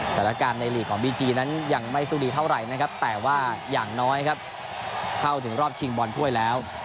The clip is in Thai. สถานการณ์ในหลีกของบีจีนั้นยังไม่สู้ดีเท่าไหร่นะครับแต่ว่าอย่างน้อยครับเข้าถึงรอบชิงบอลถ้วยแล้ว